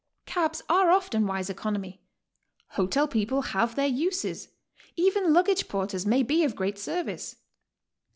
Cabs are often wise economy, hotel people have their uses, even luggage porters may be of great service.